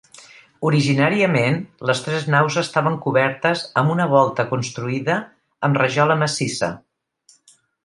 Originàriament, les tres naus estaven cobertes amb una volta construïda amb rajola massissa.